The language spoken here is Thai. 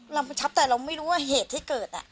กำชับแต่เราไม่รู้ว่าเหตุที่เกิด